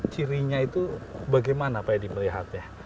cirinya itu bagaimana pak edi melihatnya